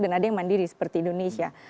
dan ada yang mandiri seperti indonesia